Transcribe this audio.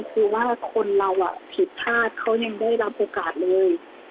คือว่าคนเราผิดพลาดเขายังได้รับโอกาสเลย